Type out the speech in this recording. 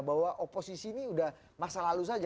bahwa oposisi ini sudah masa lalu saja